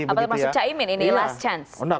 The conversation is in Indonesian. apa maksudnya caimin ini last chance